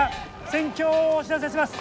戦況をお知らせします。